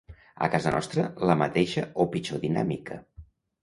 A casa nostra la mateixa o pitjor dinàmica.